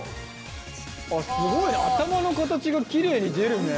あっすごいね頭の形がきれいに出るね。